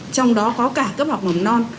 trong đó có cả cấp học mầm non